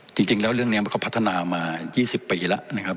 จริงแล้วเรื่องนี้มันก็พัฒนามา๒๐ปีแล้วนะครับ